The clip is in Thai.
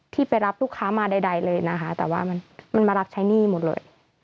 ไปรับลูกค้ามาใดเลยนะคะแต่ว่ามันมารับใช้หนี้หมดเลย